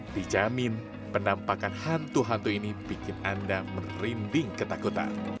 dijamin penampakan hantu hantu ini bikin anda merinding ketakutan